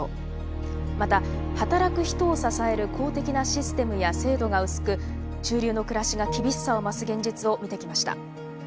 また働く人を支える公的なシステムや制度が薄く中流の暮らしが厳しさを増す現実を見てきました。